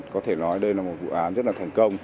có thể nói đây là một vụ án rất là thành công